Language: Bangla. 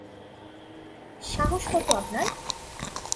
সাহস কত আপনার?